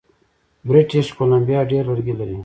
بریټیش کولمبیا ډیر لرګي لري.